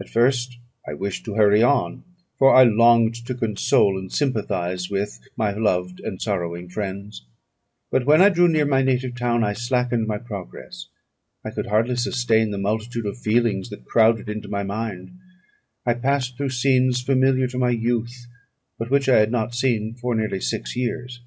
At first I wished to hurry on, for I longed to console and sympathise with my loved and sorrowing friends; but when I drew near my native town, I slackened my progress. I could hardly sustain the multitude of feelings that crowded into my mind. I passed through scenes familiar to my youth, but which I had not seen for nearly six years.